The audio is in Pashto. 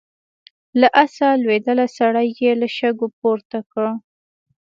له آسه لوېدلی سړی يې له شګو پورته کړ.